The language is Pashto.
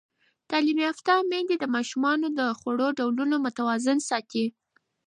تعلیم یافته میندې د ماشومانو د خوړو ډولونه متوازن ساتي.